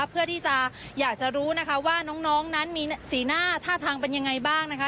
เพื่อที่จะอยากจะรู้นะคะว่าน้องนั้นมีสีหน้าท่าทางเป็นยังไงบ้างนะคะ